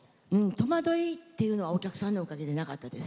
戸惑いっていうのはお客さんのおかげでなかったですね。